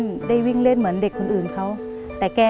เปลี่ยนเพลงเพลงเก่งของคุณและข้ามผิดได้๑คำ